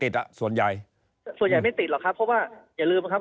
ที่จะทำได้ใช่ไหมครับ